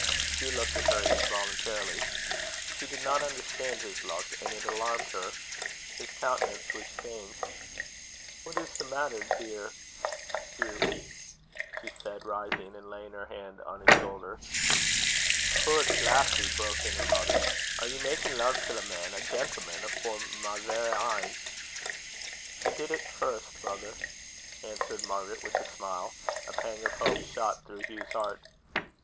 Hugh looked at her involuntarily. She did not understand his look, and it alarmed her. His countenance was changed. "What is the matter, dear Hugh?" she said, rising, and laying her hand on his shoulder. "Hoots! lassie," broke in her mother; "are ye makin' love till a man, a gentleman, afore my verra een?" "He did it first, mother," answered Margaret, with a smile. A pang of hope shot through Hugh's heart.